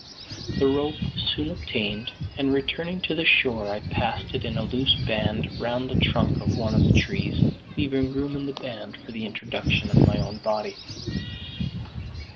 The rope was soon obtained; and, returning to the shore, I passed it in a loose band round the trunk of one of the trees, leaving room in the band for the introduction of my own body.